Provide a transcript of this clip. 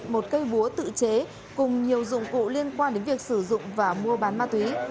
một cây búa tự chế cùng nhiều dụng cụ liên quan đến việc sử dụng và mua bán ma túy